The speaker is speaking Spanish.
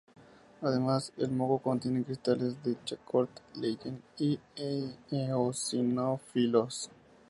Además, el moco contiene cristales de Charcot-Leyden y eosinófilos.